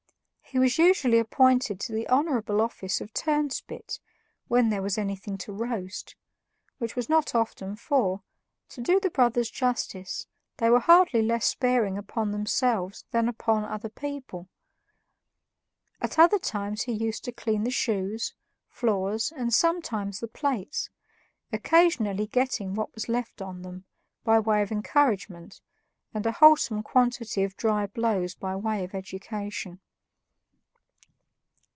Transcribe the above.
He was usually appointed to the honorable office of turnspit, when there was anything to roast, which was not often, for, to do the brothers justice, they were hardly less sparing upon themselves than upon other people. At other times he used to clean the shoes, floors, and sometimes the plates, occasionally getting what was left on them, by way of encouragement, and a wholesome quantity of dry blows by way of education.